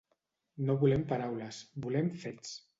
No volem paraules, volem fets.